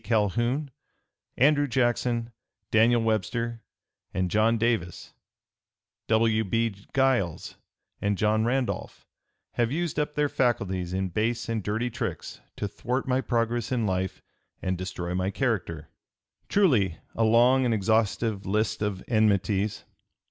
Calhoun, Andrew Jackson, Daniel Webster, and John Davis, W. B. Giles, and John Randolph, have used up their faculties in base and dirty tricks to thwart my progress in life and destroy my character." Truly a long and exhaustive list of enmities!